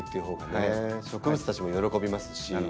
植物たちも喜びますし。